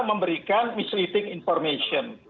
memberikan misleading information